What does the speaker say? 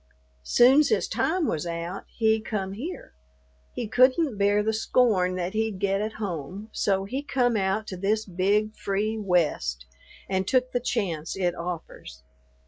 "Soon's his time was out, he come here; he couldn't bear the scorn that he'd get at home, so he come out to this big, free West, and took the chance it offers.